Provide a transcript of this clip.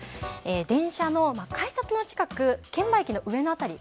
電車の改札の近く券売機の上の辺り